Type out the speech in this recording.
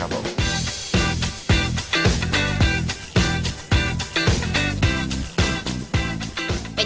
จริง